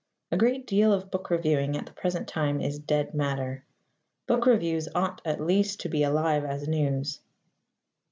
A great deal of book reviewing at the present time is dead matter. Book reviews ought at least to be alive as news.